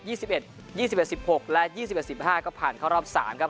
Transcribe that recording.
สิบเอ็ดยี่สิบเอ็ดสิบหกและยี่สิบเอ็ดสิบห้าก็ผ่านเข้ารอบสามครับ